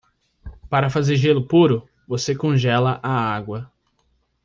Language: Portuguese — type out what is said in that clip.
Para fazer gelo puro?, você congela a água.